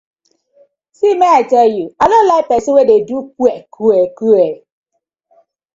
See mek I tell yu, I no like pesin wey de do kwe kwe kwe.